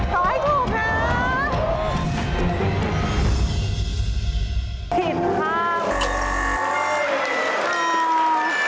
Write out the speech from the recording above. ตอบให้ถูกนะ